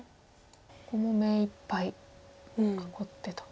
ここも目いっぱい囲ってと。